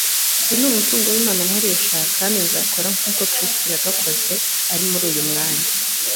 Uyu ni umutungo w’Imana nkoresha kandi nzakora nk’uko Kristo yagakoze ari muri uyu mwanya